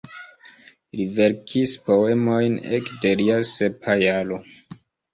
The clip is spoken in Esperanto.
Li verkis poemojn ekde lia sepa jaro.